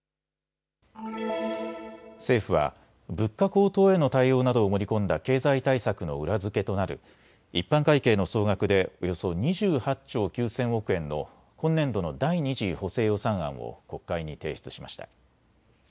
政府は物価高騰への対応などを盛り込んだ経済対策の裏付けとなる一般会計の総額でおよそ２８兆９０００億円の今年度の第２次補正予算案を国会に提出しました。